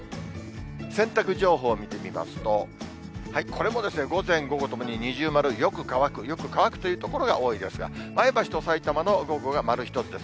洗濯情報を見てみますと、これもですね、午前、午後ともに二重丸、よく乾く、よく乾くという所が多いですが、前橋とさいたまの午後が丸１つです。